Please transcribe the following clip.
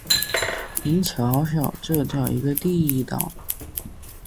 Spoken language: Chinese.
您瞧瞧，这叫一个地道！